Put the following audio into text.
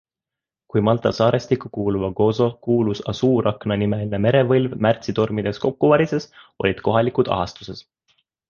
Kui Malta saarestikku kuuluva Gozo kuulus Asuurakna-nimeline merevõlv märtsitormides kokku varises, olid kohalikud ahastuses.